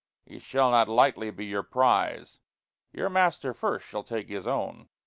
He shall not lightly be your prize Your Master first shall take his owne.